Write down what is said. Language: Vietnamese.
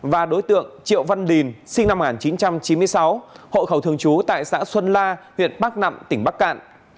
và đối tượng triệu văn đình sinh năm một nghìn chín trăm chín mươi sáu hộ khẩu thường trú tại xã xuân la huyện bắc nẵm tỉnh bắc cạn